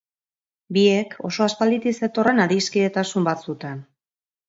Biek, oso aspalditik zetorren adiskidetasun bat zuten.